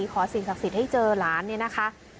สิ่งศักดิ์สิทธิ์ให้เจอหลานเนี่ยนะคะ